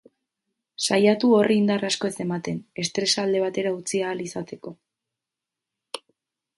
Saiatu horri indar asko ez ematen, estresa alde batera utzi ahal izateko.